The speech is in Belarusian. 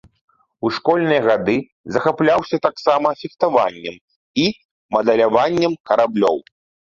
У школьныя гады захапляўся таксама фехтаваннем і мадэляваннем караблёў.